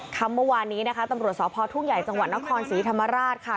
คำเมื่อวานนี้นะคะตำรวจสพทุ่งใหญ่จังหวัดนครศรีธรรมราชค่ะ